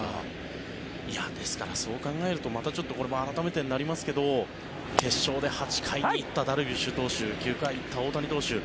ですから、そう考えるとこれも改めてになりますが決勝で８回に行ったダルビッシュ投手９回に行った大谷投手